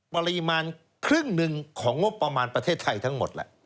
ปริมาณครึ่งหนึ่งของงบประมาณประเทศไทยทั้งหมดแหละ